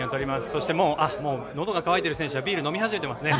そしてもうのどが渇いている選手は飲み始めていますね。